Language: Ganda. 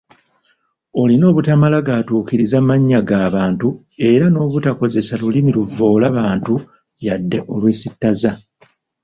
Oluna obutamala gaatuukiriza mannya ga bantu era n’obutakozesa lulimi luvvoola bantu yadde olwesittaza.